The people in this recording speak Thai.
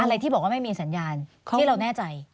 อะไรที่บอกว่าไม่มีสัญญาณที่เราแน่ใจ